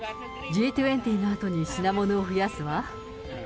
Ｇ２０のあとに品物を増やすわ。